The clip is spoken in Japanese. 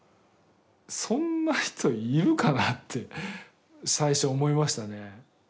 そんな人いるかなって最初思いましたね。